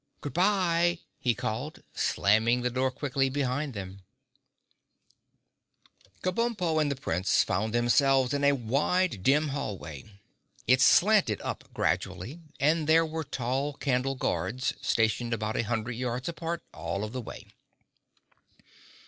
"Good bye!" he called, slamming the door quickly behind them. [Illustration: (unlabelled)] Kabumpo and the Prince found themselves in a wide dim hallway. It slanted up gradually and there were tall candle guards stationed about a hundred yards apart all of the way.